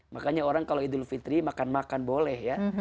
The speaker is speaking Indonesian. makanya orang kalau idul fitri makan makan boleh ya